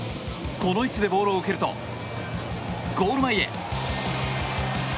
この位置でボールを受けるとゴール前へ。